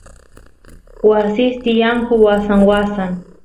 wasis tiyanku wasan wasan